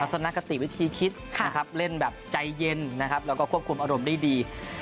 ประสดนกติวิธีคิดเล่นแบบใจเย็นแล้วก็ควบคุมอารมณ์ได้ดี